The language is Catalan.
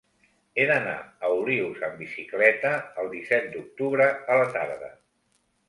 He d'anar a Olius amb bicicleta el disset d'octubre a la tarda.